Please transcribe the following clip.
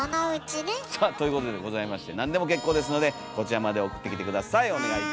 さあということでございまして何でも結構ですのでこちらまで送ってきて下さい。